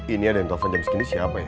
ini ada yang telepon jam segini siapa ya